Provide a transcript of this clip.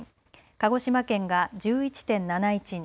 鹿児島県が１１．７１人